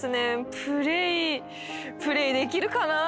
プレイプレイできるかなあ。